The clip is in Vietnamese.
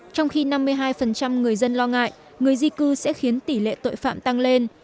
trong khi năm mươi hai người dân lo ngại người di cư sẽ khiến tỷ lệ tội phạm tăng lên